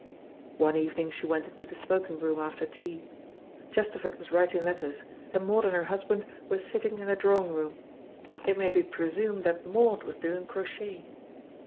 One evening she went into the smoking room after tea. Chesterford was writing letters, and Maud and her husband were sitting in the drawing room. It may be presumed that Maud was doing crochet.